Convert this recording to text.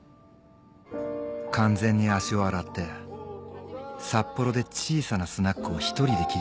完全に足を洗って札幌で小さなスナックを１人で切り盛りしてるよ。